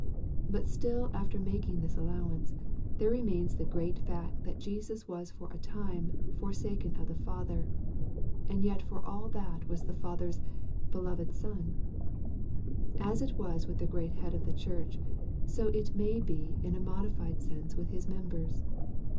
But still after making this allowance, there remains the great fact that Jesus was for a time "forsaken of the Father/' and yet for all that was the Father's " Beloved Son." As it was with the Great Head of the Church, so it may be in a modified sense with His members.